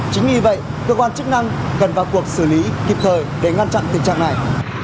chính vì vậy cơ quan chức năng cần vào cuộc xử lý kịp thời để ngăn chặn tình trạng này